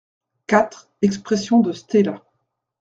quatre Expression de Stella.